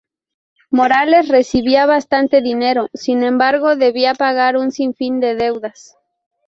Morales recibía bastante dinero, sin embargo debía pagar un sinfín de deudas.